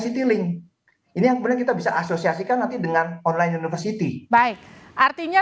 citylink ini yang kemudian kita bisa asosiasikan nanti dengan online university baik artinya